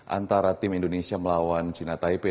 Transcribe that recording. antara tim indonesia melawan china taipei